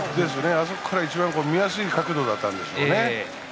あそこから見やすい角度だったんですね。